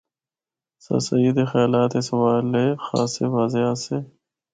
سرسید دے خیالات اس حوالے خاصے واضح آسے۔